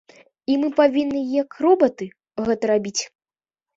І мы павінны як робаты гэта рабіць.